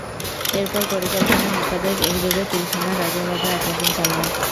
এরপর পরিকল্পনা মোতাবেক একযোগে পিলখানা, রাজারবাগে আক্রমণ চালায়।